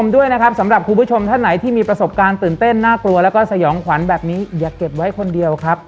ได้ครับขอบคุณครับยินดีครับ